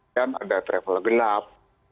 dan ada travel gelap